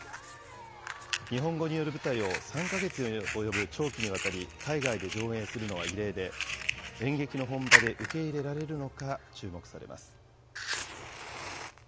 日本語による舞台を３か月に及ぶ長期にわたり海外で上演するのは異例で、演劇の本場で受け入れられるのか、注目されます。